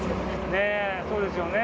ねっそうですよね。